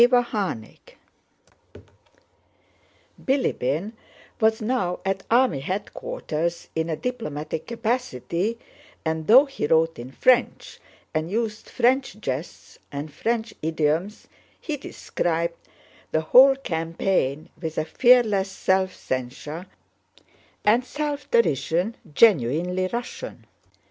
CHAPTER IX Bilíbin was now at army headquarters in a diplomatic capacity, and though he wrote in French and used French jests and French idioms, he described the whole campaign with a fearless self censure and self derision genuinely Russian.